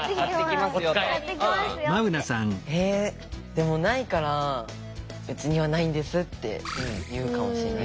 でもないから「うちにはないんです」って言うかもしれない。